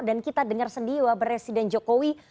dan kita dengar sendiri wak presiden jokowi